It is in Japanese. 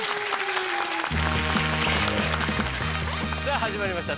さあ始まりました